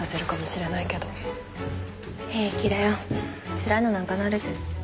つらいのなんか慣れてる。